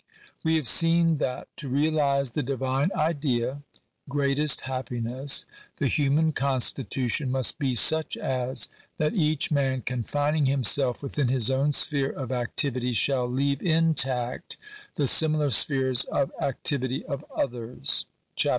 We have seen that to realize the Divine idea — greatest happiness — the human constitution must be such as that each man confining himself within his own sphere of ac tivity, shall leave intact the similar spheres of activity of others (Chap.